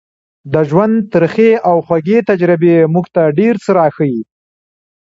د ژوند ترخې او خوږې تجربې موږ ته ډېر څه راښيي.